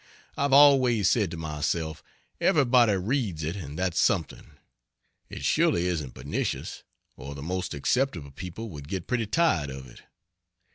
I've always said to myself, "Everybody reads it and that's something it surely isn't pernicious, or the most acceptable people would get pretty tired of it."